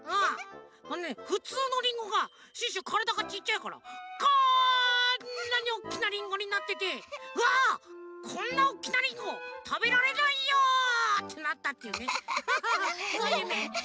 あのねふつうのリンゴがシュッシュからだがちっちゃいからこんなにおっきなリンゴになってて「うわっこんなおっきなリンゴたべられないよ！」ってなったっていうねそういうゆめ。